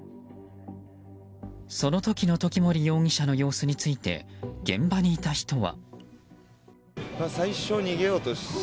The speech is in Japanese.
その時の時森容疑者の様子について現場にいた人は。